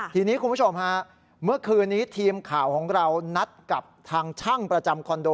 ทีนี้คุณผู้ชมฮะเมื่อคืนนี้ทีมข่าวของเรานัดกับทางช่างประจำคอนโด